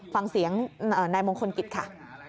ฟังเสียงนายมงคลกิจค่ะ